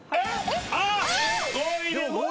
あっ！